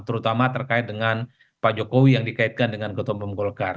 terutama terkait dengan pak jokowi yang dikaitkan dengan ketua umum golkar